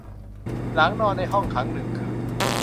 หลังนอนในห้องขังหนึ่งคืน